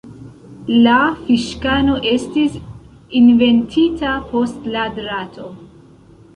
La fiŝkano estis inventita post la drato.